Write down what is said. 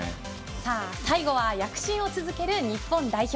最後は躍進を続ける日本代表。